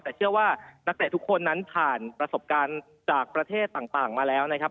แต่เชื่อว่านักเตะทุกคนนั้นผ่านประสบการณ์จากประเทศต่างมาแล้วนะครับ